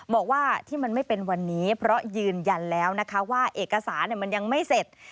บอกว่าที่มันไม่เป็นวันนี้เพราะยืนยันแล้วนะคะว่าเอกสารมันยังไม่เสร็จ